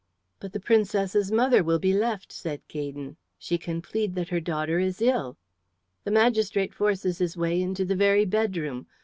"But the Princess's mother will be left," said Gaydon. "She can plead that her daughter is ill." "The magistrate forces his way into the very bedroom.